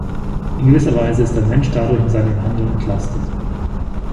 In gewisser Weise ist der Mensch dadurch in seinem Handeln entlastet.